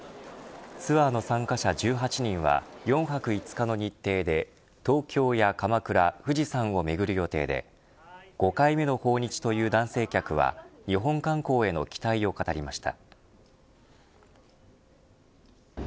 ツアーの参加者１８人は４泊５日の日程で東京や鎌倉、富士山を巡る予定で５回目の訪日という男性客は日本観光への期待を語りました。